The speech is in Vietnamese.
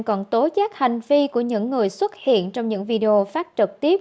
còn tố giác hành vi của những người xuất hiện trong những video phát trực tiếp